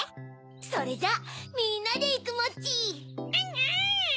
・それじゃあみんなでいくモッチー！